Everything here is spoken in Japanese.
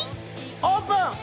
オープン！